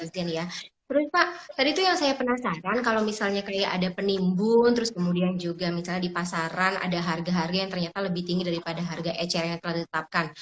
terus pak tadi tuh yang saya penasaran kalau misalnya kayak ada penimbun terus kemudian juga misalnya di pasaran ada harga harga yang ternyata lebih tinggi daripada harga ecer yang telah ditetapkan